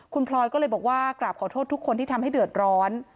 คุณพลอยก็เลยบอกว่ากราบขอโทษทุกคนที่ทำให้เดือดร้อน